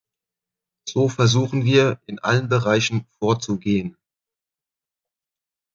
So versuchen wir in allen Bereichen vorzugehen.